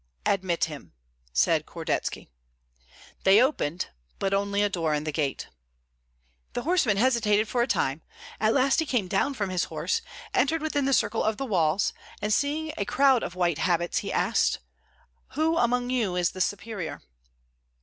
"Admit him," said Kordetski. They opened, but only a door in the gate. The horseman hesitated for a time; at last he came down from his horse, entered within the circle of the walls, and seeing a crowd of white habits, he asked, "Who among you is the superior?"